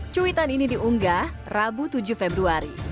cuitan ini diunggah rabu tujuh februari